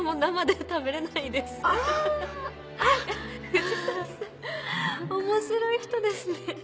藤崎さん面白い人ですね。